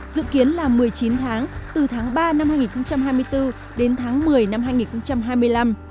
dự kiến là một mươi chín tháng từ tháng ba năm hai nghìn hai mươi bốn đến tháng một mươi năm hai nghìn hai mươi năm